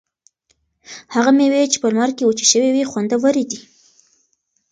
هغه مېوې چې په لمر کې وچې شوي وي خوندورې دي.